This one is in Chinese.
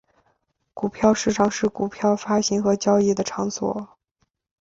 股票市场是股票发行和交易的场所。